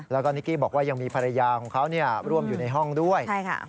แล้วก็นิกกี้บอกว่ายังมีภรรยาของเขาร่วมอยู่ในห้องด้วย